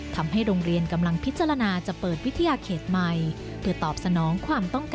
ทำให้โรงเรียนกำลังพิจารณาจะเปิดวิทยาเขตใหม่